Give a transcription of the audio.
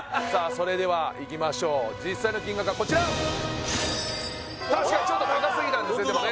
それではいきましょう実際の金額はこちら確かにちょっと高すぎたんですね